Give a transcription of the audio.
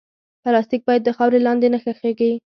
پلاستيک باید د خاورې لاندې نه ښخېږي.